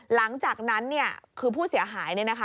หลังจากนั้นเนี่ยคือผู้เสียหายเนี่ยนะคะ